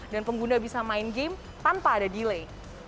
dan pengguna bisa main game tanpa ada delay